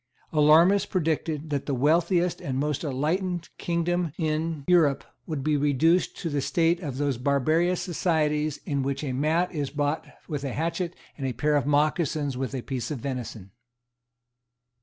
Alarmists predicted that the wealthiest and most enlightened kingdom in Europe would be reduced to the state of those barbarous societies in which a mat is bought with a hatchet, and a pair of mocassins with a piece of venison.